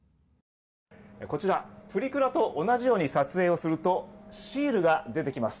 こちらプリクラと同じように撮影をするとシールが出てきます。